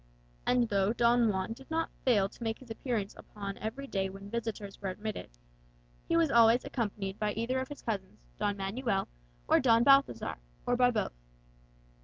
And though Don Juan did not fail to make his appearance upon every day when visitors were admitted, he was always accompanied by either of his cousins Don Manuel or Don Balthazar, or by both.